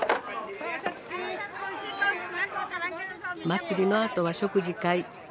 祭りのあとは食事会。